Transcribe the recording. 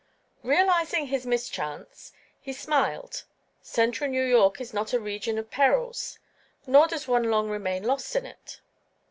Realizing his mischance, he smiled; central New York is not a region of perils, nor does one long remain lost in it.